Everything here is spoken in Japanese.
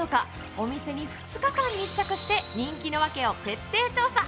お店に２日間密着して人気の訳を徹底調査。